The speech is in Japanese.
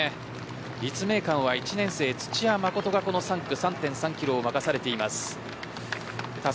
立命館は１年生土屋舞琴が３区３．３キロを任されています。